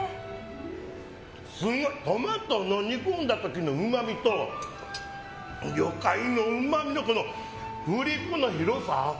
すごいトマトの煮込んだ時のうまみと魚介のうまみのグリップの広さ？